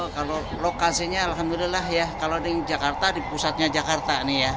kalau lokasinya alhamdulillah ya kalau di jakarta di pusatnya jakarta nih ya